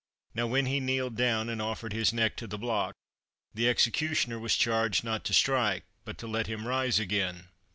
Now, when he kneeled down and offered his neck to the block, the executioner was charged not to strike, but to let him rise again.